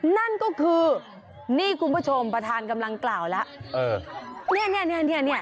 นั่นก็คือนี่คุณผู้ชมประธานกำลังกล่าวแล้วเออเนี่ย